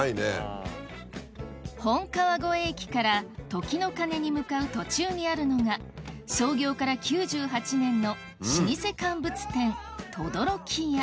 本川越駅から時の鐘に向かう途中にあるのが老舗乾物店